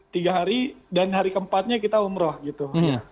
tiga hari dan hari keempatnya kita umroh gitu